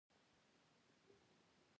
ښارونه د توکو د تولید اصلي ځای شول.